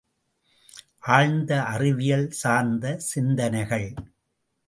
ஆழ்ந்த அறிவியல் சார்ந்த சிந்தனைகள்!